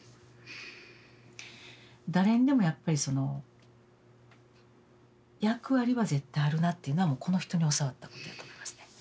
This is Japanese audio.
誰にでもやっぱりその役割は絶対あるなっていうのはもうこの人に教わったことやと思いますね。